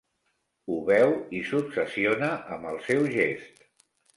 Ho veu i s'obsessiona amb el seu gest.